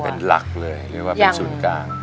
เป็นหลักเลยหรือว่าเป็นศูนย์กลาง